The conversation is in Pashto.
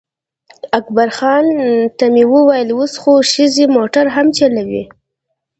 اکبرخان ته مې وویل اوس خو ښځې موټر هم چلوي.